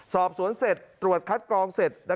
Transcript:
สอบสวนเสร็จตรวจคัดกรองเสร็จ